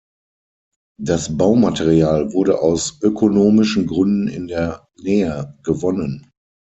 Das Baumaterial wurde aus ökonomischen Gründen in der Nähe gewonnen.